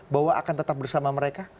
bahwa akan tetap bersama mereka